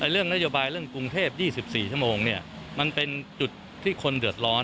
เรื่องนโยบายเรื่องกรุงเทพ๒๔ชั่วโมงมันเป็นจุดที่คนเดือดร้อน